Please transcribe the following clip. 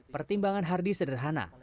pertimbangan hardi sederhana